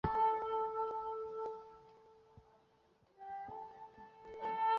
阿布加国家体育场是一座位于奈及利亚阿布加的全座位国家体育场。